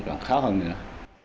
icom là canh thông tin